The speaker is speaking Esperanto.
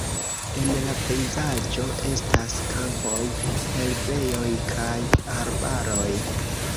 En la pejzaĝo estas kampoj, herbejoj kaj arbaroj.